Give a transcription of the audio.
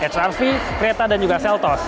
charvy creta dan juga seltos